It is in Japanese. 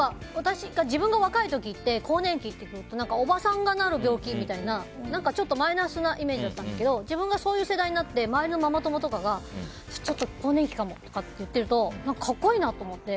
自分が若い時って更年期って聞くとおばさんがなる病気みたいなマイナスなイメージだったんですけど自分がそういう世代になって周りのママ友とかがちょっと更年期かもって言ってると、格好いいなと思って。